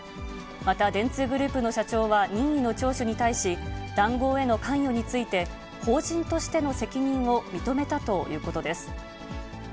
また電通グループの社長は、任意の聴取に対し、談合への関与について、法人としての責任を認めたということです。